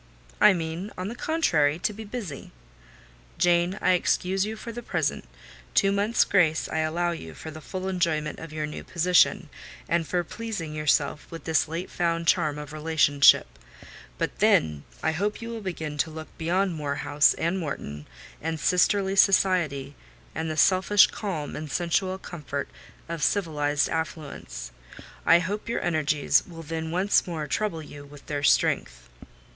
"I mean, on the contrary, to be busy." "Jane, I excuse you for the present: two months' grace I allow you for the full enjoyment of your new position, and for pleasing yourself with this late found charm of relationship; but then, I hope you will begin to look beyond Moor House and Morton, and sisterly society, and the selfish calm and sensual comfort of civilised affluence. I hope your energies will then once more trouble you with their strength."